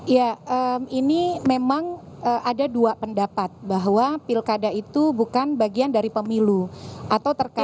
ya ini memang ada dua pendapat bahwa pilkada itu bukan bagian dari pemilu atau terkait